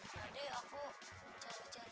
tadi aku mencari cari